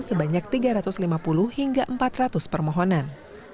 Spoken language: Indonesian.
sebanyak tiga ratus lima puluh hingga empat ratus permohonan